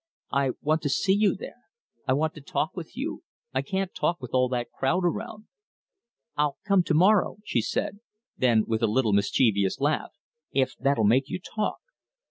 "I want to see you there. I want to talk with you. I can't talk with all that crowd around." "I'll come to morrow," she said then with a little mischievous laugh, "if that'll make you talk."